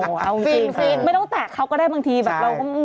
เอาจริงไม่ต้องแตกเขาก็ได้บางทีแบบใช่